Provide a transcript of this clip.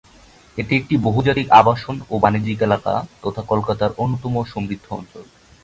এটি একটি বহুজাতিক আবাসন ও বাণিজ্যিক এলাকা তথা কলকাতার অন্যতম সমৃদ্ধ অঞ্চল।